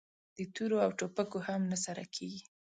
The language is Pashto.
د تورو او ټوپکو هم نه سره کېږي!